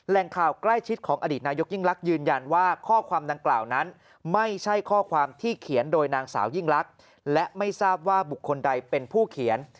ข่าวใกล้ชิดของอดีตนายกยิ่งลักษณ์ยืนยันว่าข้อความดังกล่าวนั้นไม่ใช่ข้อความที่เขียนโดยนางสาวยิ่งลักษณ์และไม่ทราบว่าบุคคลใดเป็นผู้เขียน